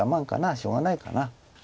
しょうがないかな。